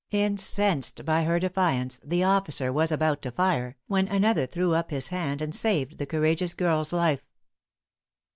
Incensed by her defiance, the officer was about to fire, when another threw up his hand, and saved the courageous girl's life.